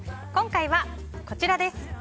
今回は、こちらです。